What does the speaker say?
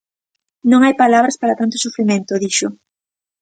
Non hai palabras para tanto sufrimento, dixo.